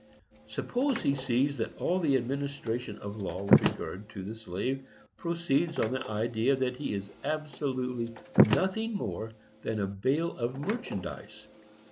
Suppose he sees that all the administration of law with regard to the slave proceeds on the idea that he is absolutely nothing more than a bale of merchandise.